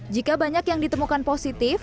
jika banyak yang ditemukan positif